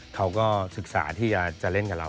เขาก็ศึกษาที่จะเล่นกับเรา